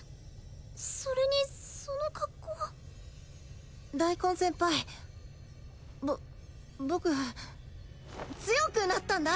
それにその格好は大根先輩ぼっ僕強くなったんだ